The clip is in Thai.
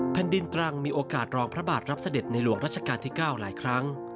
แผ่นดินตรังมีโอกาสรองพระบาทรับเสด็จในหลวงรัชกาลที่๙หลายครั้ง